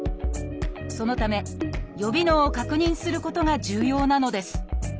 そのため予備能を確認することが重要なのです。